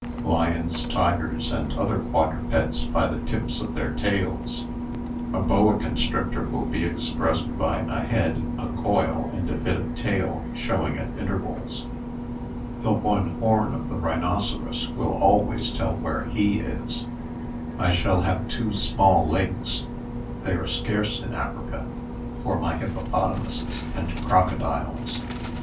Lions, tigers, and other quadrupeds, by the tips of their tails. A boa constrictor will be expressed by a head, a coil, and a bit of tail showing at intervals. The one horn of the rhinoceros will always tell where he is. I shall have two small lakes (they are scarce in Africa) for my hippopotamuses and crocodiles.